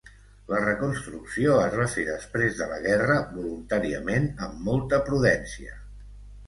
La reconstrucció es va fer després de la guerra voluntàriament amb molta prudència.